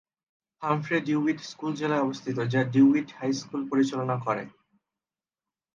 Humphry DeWitt school জেলায় অবস্থিত, যা ডিউইট হাই স্কুল পরিচালনা করে।